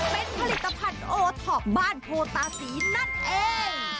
เป็นผลิตภัณฑ์โอท็อปบ้านโพตาศรีนั่นเอง